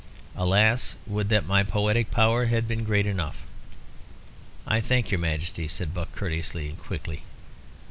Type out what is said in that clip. Alas! would that my poetic power had been great enough." "I thank your Majesty," said Buck, courteously, but quickly.